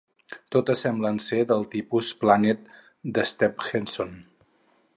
Totes semblen ser del tipus Planet d'Stephenson.